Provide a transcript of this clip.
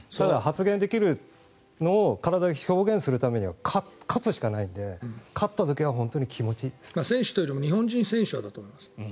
だから発言できるのを体で表現するためには勝つしかないので勝った時には選手というか日本人選手はだと思います。